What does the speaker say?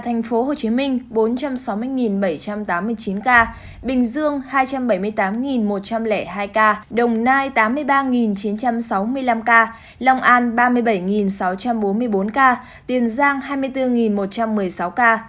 tp hcm bốn trăm sáu mươi bảy trăm tám mươi chín ca bình dương hai trăm bảy mươi tám một trăm linh hai ca đồng nai tám mươi ba chín trăm sáu mươi năm ca long an ba mươi bảy sáu trăm bốn mươi bốn ca tiền giang hai mươi bốn một trăm một mươi sáu ca